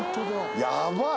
やばい！